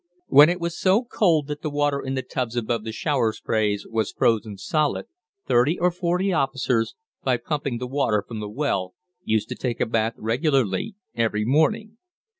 When it was so cold that the water in the tubs above the shower sprays was frozen solid, thirty or forty officers, by pumping the water from the well, used to take a bath regularly every morning.